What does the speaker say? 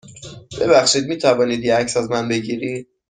ببخشید، می توانید یه عکس از من بگیرید؟